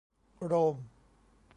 โรม